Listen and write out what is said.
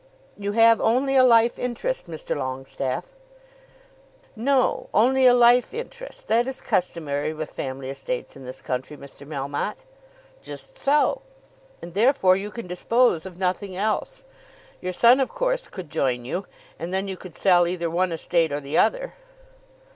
"You have only a life interest, Mr. Longestaffe." "No; only a life interest. That is customary with family estates in this country, Mr. Melmotte." "Just so. And therefore you can dispose of nothing else. Your son, of course, could join you, and then you could sell either one estate or the other."